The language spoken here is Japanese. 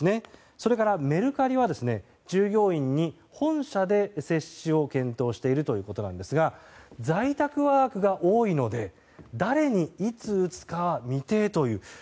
それから、メルカリは従業員に本社で接種を検討しているということですが在宅ワークが多いので誰にいつ打つかは未定という。